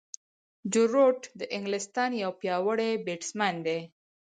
جو روټ د انګلستان یو پیاوړی بیټسمېن دئ.